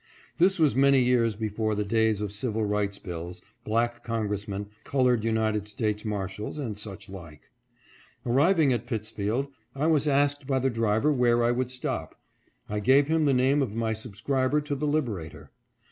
This was many years before the days of civil rights bills, black Congressmen, colored United States Marshals, and such like. Arriving at Pittsfield, I was asked by the driver where I would stop. I gave him the name of my subscriber to the Liberator.